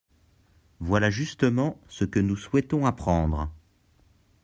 Voilà justement ce que nous souhaitons apprendre.